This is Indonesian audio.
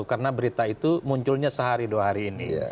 karena berita itu munculnya sehari dua hari ini